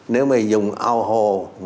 nếu mà dùng ao hồ